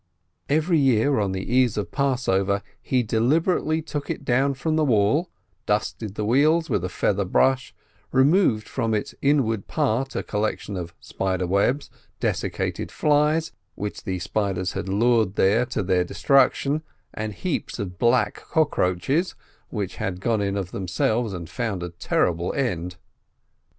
Every year on the Eve of Passover, he deliberately took it down from the wall, dusted the wheels with a feather brush, removed from its inward part a collection of spider webs, desiccated flies, which the spiders had lured in there to their destruction, and heaps of black cockroaches, which had gone in of themselves, and found a terrible end.